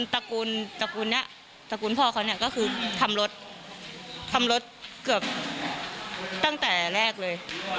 ตระกูลตระกูลนี้ตระกูลพ่อเขาเนี่ยก็คือทำรถทำรถเกือบตั้งแต่แรกเลย